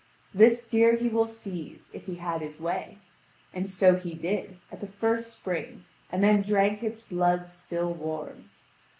This deer he will seize, if he has his way. And so he did, at the first spring, and then drank its blood still warm.